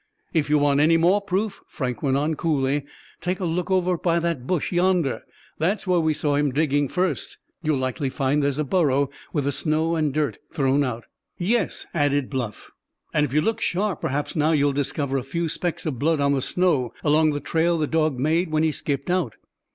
"If you want any more proof," Frank went on coolly, "take a look over by that bush yonder. That's where we saw him digging first. You'll likely find there's a burrow, with the snow and dirt thrown out." "Yes," added Bluff, "and if you look sharp, perhaps now you'll discover a few specks of blood on the snow along the trail the dog made when he skipped out."